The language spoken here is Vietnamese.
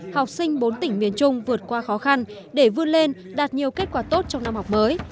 học sinh bốn tỉnh miền trung vượt qua khó khăn để vươn lên đạt nhiều kết quả tốt trong năm học mới